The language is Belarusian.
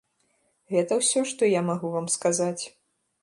Гэта ўсё, што я магу вам сказаць.